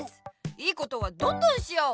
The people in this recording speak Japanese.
良いことはどんどんしよう！